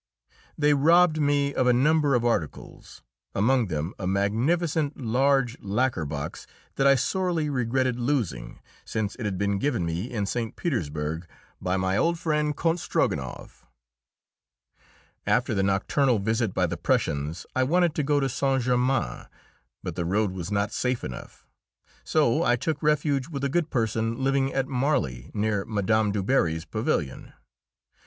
They robbed me of a number of articles, among them a magnificent large lacquer box that I sorely regretted losing, since it had been given me in St. Petersburg by my old friend, Count Strogonoff. After the nocturnal visit by the Prussians I wanted to go to Saint Germain, but the road was not safe enough, so I took refuge with a good person living at Marly, near Mme. Du Barry's pavilion.